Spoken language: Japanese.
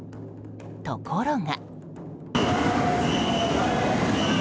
ところが。